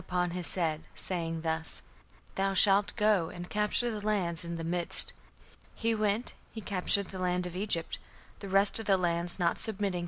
upon his head, (saying) thus: 'Thou shalt go and capture the lands in the midst'. (He we)nt, he captured the land of Egypt. The rest of the lands not submitting